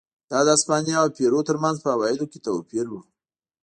دا د هسپانیا او پیرو ترمنځ په عوایدو کې توپیر و.